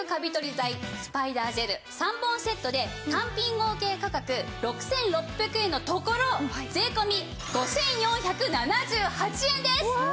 剤スパイダージェル３本セットで単品合計価格６６００円のところ税込５４７８円です！うわ！